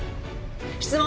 質問